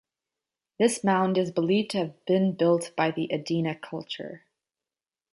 This mound is believed to have been built by the Adena culture.